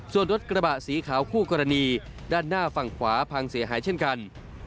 ส่วนรถกระบะสีขาวคู่กรณีด้านหน้าฝั่งขวาพังเสียหายเช่นกัน